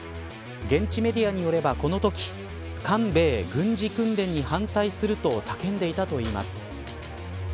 現地メディアによれば、このとき韓米軍事訓練に反対すると叫んでいたといいます。